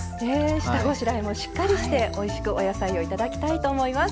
下ごしらえもしっかりしておいしくお野菜をいただきたいと思います。